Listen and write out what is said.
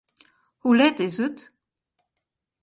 Hoe let is it?